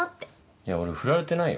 いや俺振られてないよ。